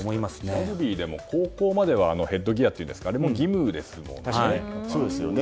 ラグビーでも高校まではヘッドギアといいますかあれも義務ですものね。